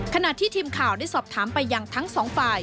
ขณะที่ทีมข่าวได้สอบถามไปยังทั้งสองฝ่าย